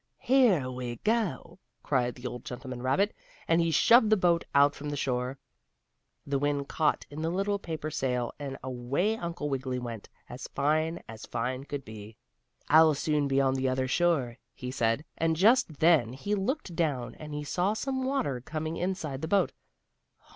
"Here we go!" cried the old gentleman rabbit, and he shoved the boat out from the shore. The wind caught in the little paper sail, and away Uncle Wiggily went, as fine as fine could be. "I'll soon be on the other shore," he said, and just then he looked down, and he saw some water coming inside the boat.